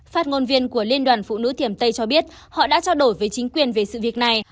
phát ngôn viên của liên đoàn phụ nữ thiềm tây cho biết họ đã trao đổi với chính quyền về sự việc này